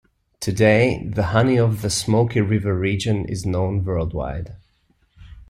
Today the honey of the Smoky River Region is known worldwide.